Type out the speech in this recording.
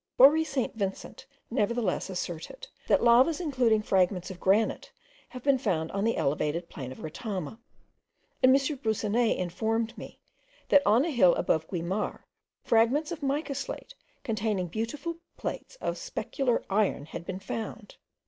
Bory St. Vincent nevertheless asserted, that lavas including fragments of granite have been found on the elevated plain of Retama; and M. Broussonnet informed me, that on a hill above Guimar, fragments of mica slate, containing beautiful plates of specular iron, had been found.